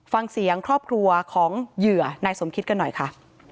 ฟังเสียงครอบครัวของเหยื่อนายสมคิดกันหน่อยค่ะ